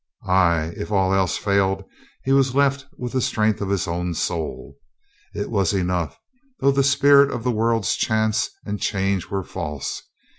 ... Ay, if all else failed, he was left with the strength of his own soul. It was enough, though the spirit of the world's chance and change were false.